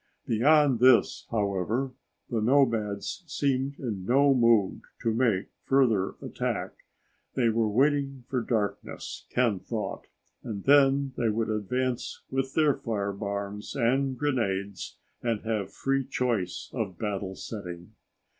Beyond this, however, the nomads seemed in no mood to make further attack. They were waiting for darkness, Ken thought, and then they would advance with their firebombs and grenades and have free choice of battle setting.